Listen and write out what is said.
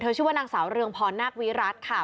ชื่อว่านางสาวเรืองพรนาควิรัติค่ะ